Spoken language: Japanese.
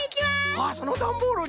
あっそのダンボールに？